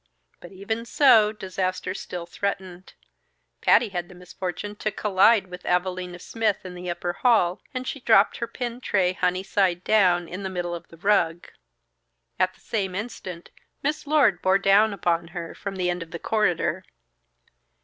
But even so, disaster still threatened. Patty had the misfortune to collide with Evalina Smith in the upper hall, and she dropped her pin tray, honey side down, in the middle of the rug. At the same instant, Miss Lord bore down upon her from the end of the corridor.